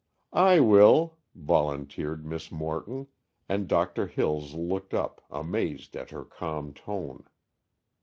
"I will," volunteered Miss Morton, and Doctor Hills looked up, amazed at her calm tone.